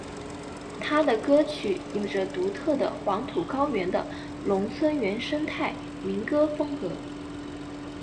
他的歌曲有着独特的黄土高原的农村原生态民歌风格。